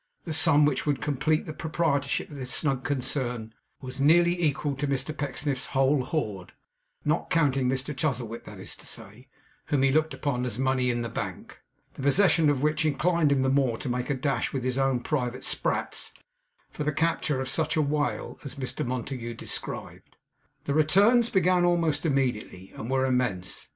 The sum which would complete the proprietorship in this snug concern, was nearly equal to Mr Pecksniff's whole hoard; not counting Mr Chuzzlewit, that is to say, whom he looked upon as money in the Bank, the possession of which inclined him the more to make a dash with his own private sprats for the capture of such a whale as Mr Montague described. The returns began almost immediately, and were immense.